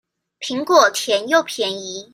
蘋果甜又便宜